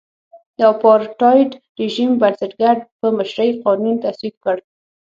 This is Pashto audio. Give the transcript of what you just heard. د اپارټایډ رژیم بنسټګر په مشرۍ قانون تصویب کړ.